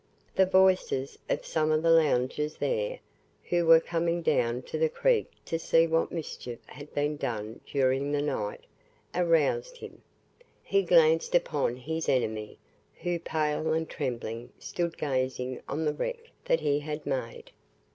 The voices of some of the loungers there, who were coming down to the Creek to see what mischief had been done during the night, aroused him. He glanced upon his enemy, who pale and trembling, stood gazing on the wreck that he had made.